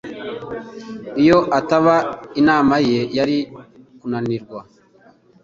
Iyo ataba inama ye, yari kunanirwa.